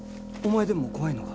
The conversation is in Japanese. お前でも怖いのか？